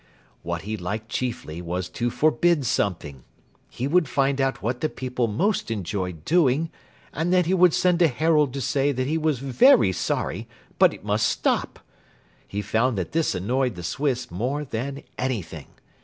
What he liked chiefly was to forbid something. He would find out what the people most enjoyed doing, and then he would send a herald to say that he was very sorry, but it must stop. He found that this annoyed the Swiss more than anything.